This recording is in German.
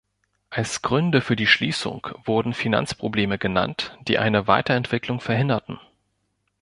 Als Gründe für die Schließung wurden Finanzprobleme genannt, die eine Weiterentwicklung verhinderten.